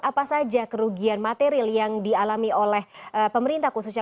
apa saja kerugian material yang dialami oleh pemerintah khususnya